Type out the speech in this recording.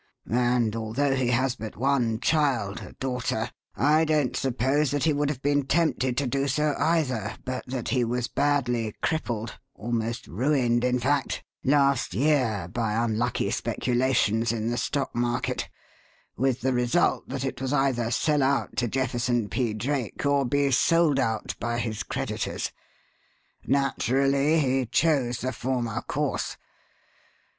And although he has but one child, a daughter, I don't suppose that he would have been tempted to do so, either, but that he was badly crippled almost ruined, in fact last year by unlucky speculations in the stock market, with the result that it was either sell out to Jefferson P. Drake or be sold out by his creditors. Naturally, he chose the former course.